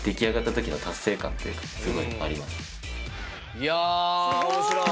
いや面白い！